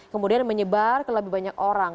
kemudian menyebar ke lebih banyak orang